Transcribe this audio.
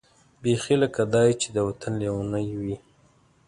بېخي لکه دای چې د وطن لېونۍ وي.